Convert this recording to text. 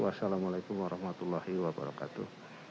wassalamu'alaikum warahmatullahi wabarakatuh